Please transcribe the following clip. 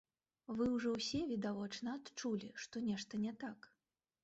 Вы ўжо ўсе, відавочна, адчулі, што нешта не так?